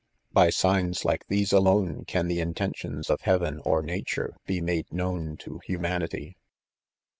By signs like these alone, can the intentions of heaven or nature be made known to humanity.